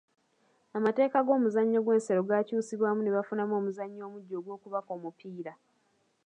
Amateeka g’omuzannyo gw’ensero gaakyusibwamu ne bafunamu omuzannyo omuggya ogw’okubaka omupiira.